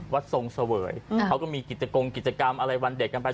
ทรงเสวยเขาก็มีกิจกงกิจกรรมอะไรวันเด็กกันไป